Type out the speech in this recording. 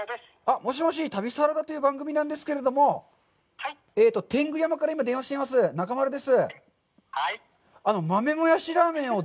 もしもし、旅サラダという番組なんですけれども、天狗山から今、電話しています中丸です。